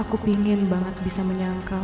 aku pengen banget bisa menyangkal